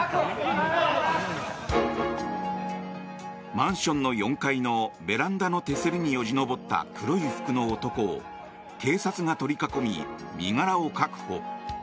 マンションの４階のベランダの手すりによじ登った黒い服の男を警察が取り囲み、身柄を確保。